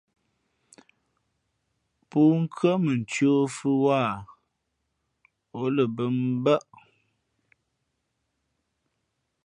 Pʉ̄nkhʉ̄ᾱ mα ncēh o fʉ̄ wāha , ǒ lα bᾱ mbάʼ.